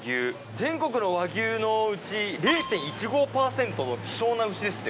全国の和牛のうち０．１５％の希少な牛ですってよ。